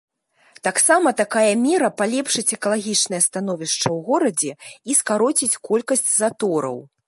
Таксама такая мера палепшыць экалагічнае становішча ў горадзе і скароціць колькасць затораў.